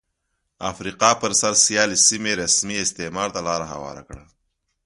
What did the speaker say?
افریقا پر سر سیالۍ سیمې رسمي استعمار ته لار هواره کړه.